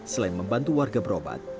selain membantu warga berobat